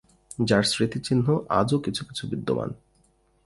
যার স্মৃতিচিহ্ন আজও কিছু কিছু বিদ্যমান।